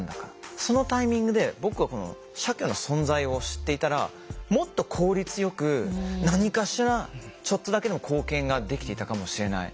そのタイミングで僕はこの社協の存在を知っていたらもっと効率よく何かしらちょっとだけでも貢献ができていたかもしれない。